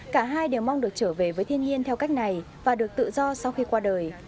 cả hai đều mong được trở về với thiên nhiên theo cách này và được tự do sau khi qua đời